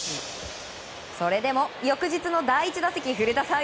それでも、翌日の第１打席古田さん